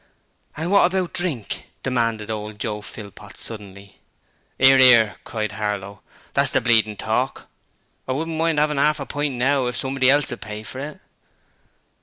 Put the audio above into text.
'And wot about drink?' demanded old Joe Philpot, suddenly. ''Ear, 'ear,' cried Harlow. 'That's the bleedin' talk. I wouldn't mind 'avin 'arf a pint now, if somebody else will pay for it.'